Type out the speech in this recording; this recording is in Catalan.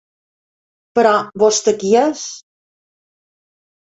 Però, vostè qui és?